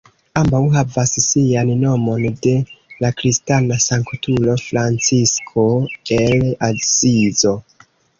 Ambaŭ havas sian nomon de la kristana sanktulo Francisko el Asizo.